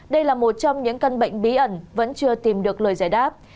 đây là một trong những căn bệnh bí ẩn vẫn chưa tìm được lời giải đáp